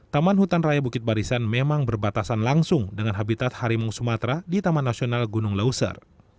taman hutan raya bukit barisan memang berbatasan langsung dengan habitat harimau sumatera di taman nasional gunung leuser